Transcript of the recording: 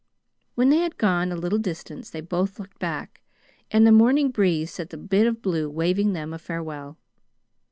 When they had gone a little distance, they both looked back, and the morning breeze set the bit of blue waving them a farewell.